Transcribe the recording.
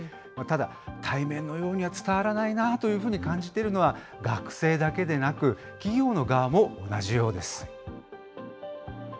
ただ、対面のようには伝わらないなと感じているのは学生だけでなく、企業の側も同じようです。